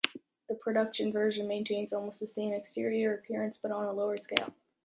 The production version maintains almost the same exterior appearance, but on a lower scale.